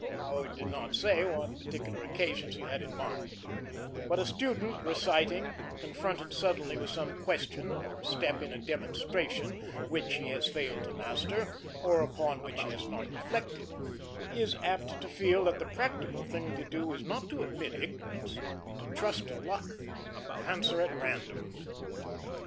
'" Howard did not say what particular occasions he then had in mind, but a student reciting, and confronted suddenly with some question, or step in a demonstration, which he has failed to master, or upon which he has not reflected, is apt to feel that the practical thing to do is not to admit ignorance; to trust to luck and answer at random.